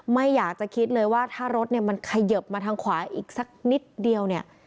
ไม่อยากจะคิดเลยว่าถ้ารถเนี่ยมันเขยิบมาทางขวาอีกสักนิดเดียวเนี่ย